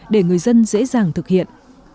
để người dân dễ dàng thực hiện